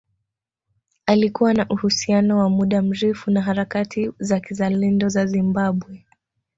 Alikuwa na uhusiano wa muda mrefu na harakati za kizalendo za Zimbabwe